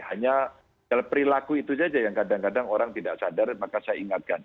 hanya perilaku itu saja yang kadang kadang orang tidak sadar maka saya ingatkan